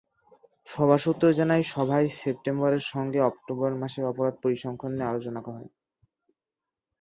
সভা সূত্র জানায়, সভায় সেপ্টেম্বরের সঙ্গে অক্টোবর মাসের অপরাধ পরিসংখ্যান নিয়ে আলোচনা হয়।